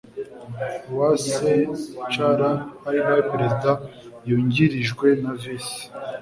wscr ari nawe perezida yungirijwe na visi